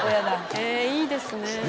えいいですね。